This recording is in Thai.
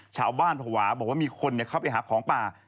ชาวบ้านผัวบอกว่ามีคนเข้าไปหาของปลา